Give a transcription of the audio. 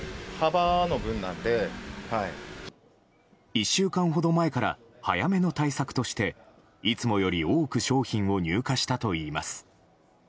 １週間ほど前から早めの対策としていつもより多く商品を入荷したといいます。